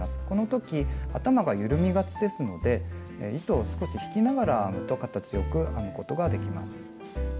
この時頭が緩みがちですので糸を少し引きながら編むと形よく編むことができます。